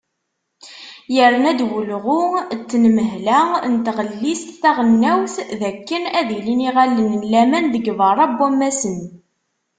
Yerna-d wulɣu n tenmehla n tɣellist taɣelnawt d akken ad ilin yiɣallen n laman deg berra n wammasen.